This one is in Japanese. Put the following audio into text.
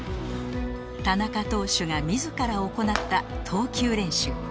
田中投手が自ら行った投球練習